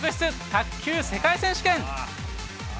卓球世界選手権。